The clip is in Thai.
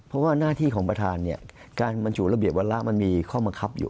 เพราะว่าหน้าที่ของประธานเนี่ยการบรรจุระเบียบวาระมันมีข้อบังคับอยู่